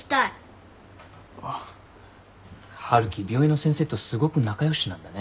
春樹病院の先生とすごく仲良しなんだね。